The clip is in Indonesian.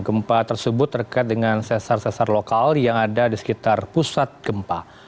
gempa tersebut terkait dengan sesar sesar lokal yang ada di sekitar pusat gempa